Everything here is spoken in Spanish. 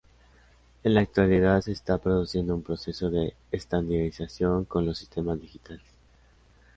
En la actualidad se está produciendo un proceso de estandarización con los sistemas digitales.